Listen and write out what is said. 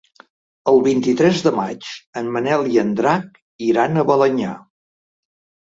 El vint-i-tres de maig en Manel i en Drac iran a Balenyà.